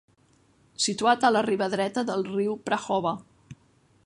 Situat a la riba dreta del riu Prahova.